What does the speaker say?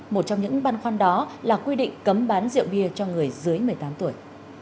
một trong những băn khoăn đó là quy định cấm bán rượu bia cho người dưới một mươi tám tuổi